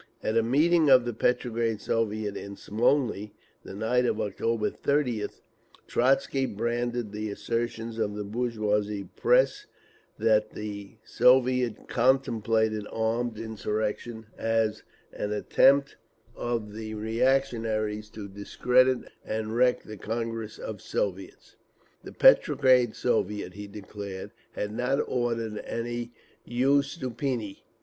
At a meeting of the Petrograd Soviet in Smolny, the night of October 30th, Trotzky branded the assertions of the bourgeois press that the Soviet contemplated armed insurention as "an attempt of the reactionaries to discredit and wreck the Congress of Soviets…. The Petrograd Soviet," he declared, "had not ordered any _uystuplennie.